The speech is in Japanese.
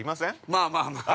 ◆まあまあまあ。